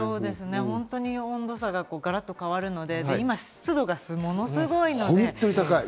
本当に温度差がガラッと変わるので、今、湿度がものすごいので。